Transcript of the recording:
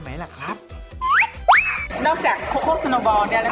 ไหมล่ะครับนอกจากโคโชคสโนบอลเนี้ยนะครับ